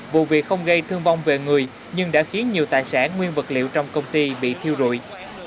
vụ việc không gây thương vong về người nhưng đã khiến nhiều tài sản nguyên vật liệu trong công ty bị thiêu rụi